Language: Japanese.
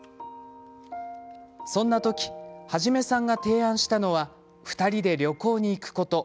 そんな時ハジメさんが提案したのは２人で旅行に行くこと。